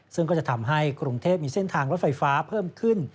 ซึ่งก็จะทำให้กรุงเทพมีเส้นทางรถไฟฟ้าเพิ่มขึ้น